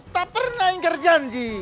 tak pernah ingkar janji